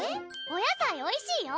お野菜おいしいよ！